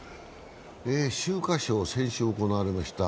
秋華賞、先週行われました。